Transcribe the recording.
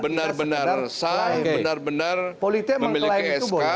benar benar sah benar benar memiliki sk